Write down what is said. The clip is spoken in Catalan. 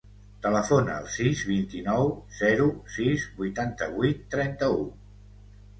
Telefona al sis, vint-i-nou, zero, sis, vuitanta-vuit, trenta-u.